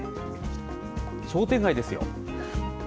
商店街ですよ。